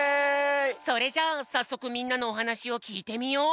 それじゃあさっそくみんなのおはなしをきいてみよう！